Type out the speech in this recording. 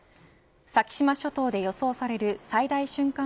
先島諸島で予想される最大瞬間